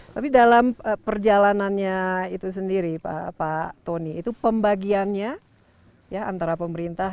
tapi dalam perjalanannya itu sendiri pak tony itu pembagiannya ya antara pemerintah